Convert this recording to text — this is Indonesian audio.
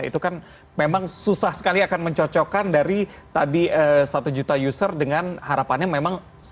itu kan memang susah sekali akan mencocokkan dari tadi satu juta user dengan harapannya memang